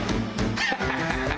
ハハハハ！